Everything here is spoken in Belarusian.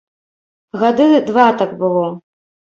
Гады два так было.